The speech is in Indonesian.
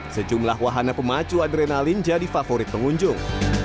sejumlah wahana pemacu adrenalin jadi favorit pengunjung